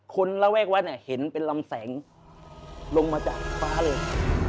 ระแวกวัดเนี่ยเห็นเป็นลำแสงลงมาจากฟ้าเลย